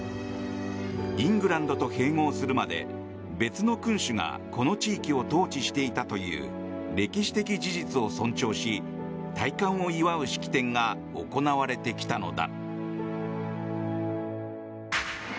イングランドと併合するまで別の君主がこの地域を統治していたという歴史的事実を尊重し戴冠を祝う式典が行われてきたのだ。